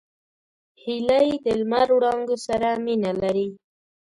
هیلۍ د لمر وړانګو سره مینه لري